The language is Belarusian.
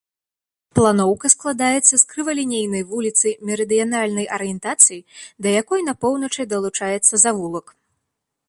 Планоўка складаецца з крывалінейнай вуліцы мерыдыянальнай арыентацыі, да якой на поўначы далучаецца завулак.